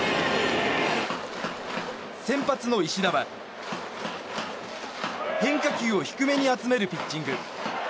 先発の石田は変化球を低めに集めるピッチング。